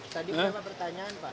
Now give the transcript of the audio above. tadi berapa pertanyaan pak